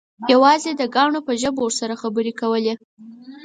یوازې د کاڼو په ژبه ورسره خبرې کولې.